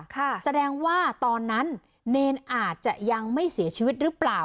แสดงว่าตอนนั้นเนรอาจจะยังไม่เสียชีวิตหรือเปล่า